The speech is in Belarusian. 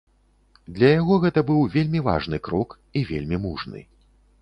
Для яго гэта быў вельмі важны крок і вельмі мужны.